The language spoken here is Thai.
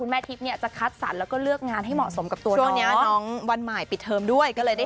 แม่ทิศจะคัดสรรค์แล้วก็เลือกงานให้เหมาะสมกับตัว